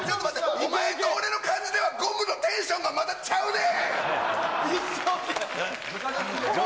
お前と俺の感じでは、ゴムのテンションがまだちゃうねん。